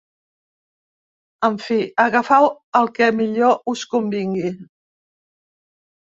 En fi, agafeu el que millor us convingui.